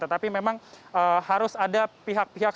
tetapi memang harus ada pihak pihak